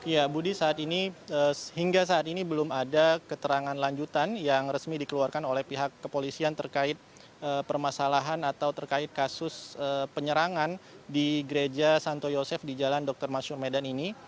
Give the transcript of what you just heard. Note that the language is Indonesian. ya budi hingga saat ini belum ada keterangan lanjutan yang resmi dikeluarkan oleh pihak kepolisian terkait permasalahan atau terkait kasus penyerangan di gereja santo yosef di jalan dr masyur medan ini